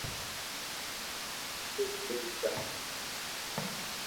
ھون اسڪول ڪوئي جاو